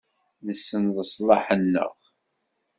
Nessen leṣlaḥ-nneɣ.